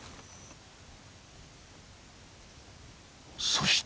［そして］